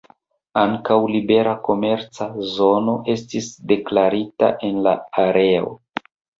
Ankaŭ libera komerca zono estis deklarita en la areo.